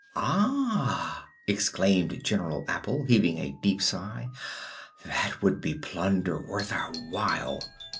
"Ah!" exclaimed General Apple, heaving a deep sigh, "that would be plunder worth our while.